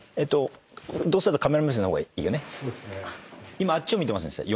今あっちを見てませんでした？